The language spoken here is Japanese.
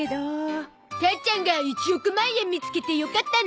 母ちゃんが１億万円見つけてよかったね！